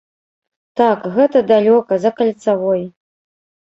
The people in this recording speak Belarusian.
Так, гэта далёка, за кальцавой.